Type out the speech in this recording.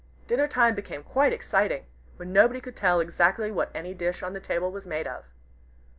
Dinner time became quite exciting, when nobody could tell exactly what any dish on the table was made of.